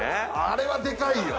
あれはでかいよ！